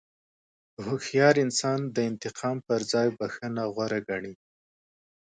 هوښیار انسان د انتقام پر ځای بښنه غوره ګڼي.